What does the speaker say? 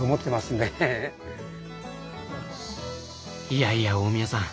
いやいや大宮さん